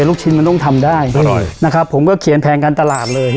ลูกชิ้นมันต้องทำได้อร่อยนะครับผมก็เขียนแผนการตลาดเลย